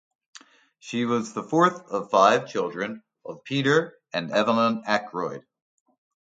She was the fourth of five children of Peter and Evelyn Ackroyd.